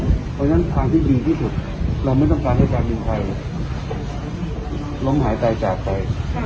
เพราะฉะนั้นทางที่ดีที่สุดเราไม่ต้องการให้การบินไทยล้มหายตายจากไป